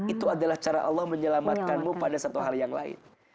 itu adalah cara allah menyelamatkanmu pada satu hal yang lain